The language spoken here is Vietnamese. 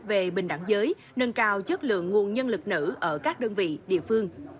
về bình đẳng giới nâng cao chất lượng nguồn nhân lực nữ ở các đơn vị địa phương